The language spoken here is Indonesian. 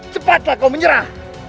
cepatlah kau menyerah